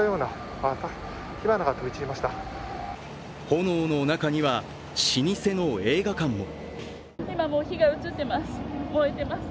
炎の中には老舗の映画館も。